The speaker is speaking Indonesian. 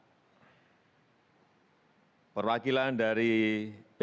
dan juga dari pgi dan juga perwakilan dari pgi